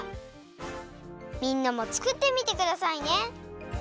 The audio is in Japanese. みんなもつくってみてくださいね。